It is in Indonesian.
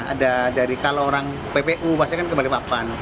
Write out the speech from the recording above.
ada dari kalau orang ppu pasti kan ke balikpapan